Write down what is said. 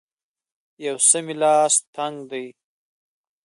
یو څه مې لاس تنګ دی